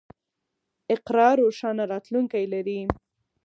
اقرا روښانه راتلونکی لري.